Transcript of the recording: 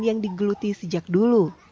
yang digeluti sejak dulu